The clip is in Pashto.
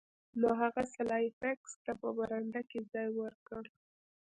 نو هغه سلای فاکس ته په برنډه کې ځای ورکړ